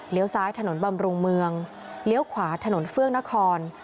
ซ้ายถนนบำรุงเมืองเลี้ยวขวาถนนเฟื่องนคร